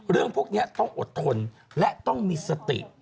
เรื่องพวกนี้ต้องอดทนและต้องมีสติ